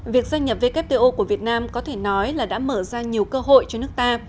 việc gia nhập wto của việt nam có thể nói là đã mở ra nhiều cơ hội cho nước ta